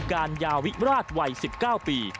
โปรดติดตามต่อไป